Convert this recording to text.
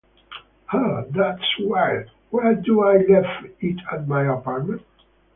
Huh, that's weird, where do I left it at my apartment?